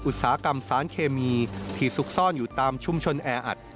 อุตสาหกรรมสารเคมีที่ซุกซ่อนอยู่ตามชุมชนแออัด